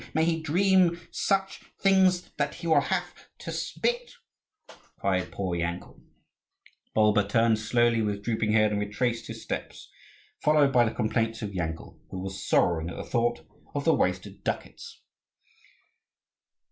May he dream such things that he will have to spit," cried poor Yankel. Bulba turned slowly, with drooping head, and retraced his steps, followed by the complaints of Yankel who was sorrowing at the thought of the wasted ducats.